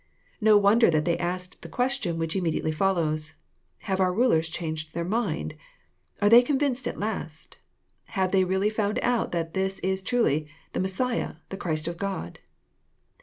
No wonder that they asked the question which immediately follows. "Have ourjrulers changed their mind? Are they convinced at last ? Have they really found out that this is truly the Messiah, the Christ of God?